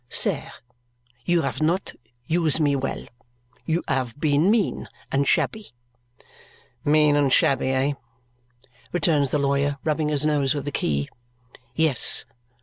"Sir, you have not use me well. You have been mean and shabby." "Mean and shabby, eh?" returns the lawyer, rubbing his nose with the key. "Yes.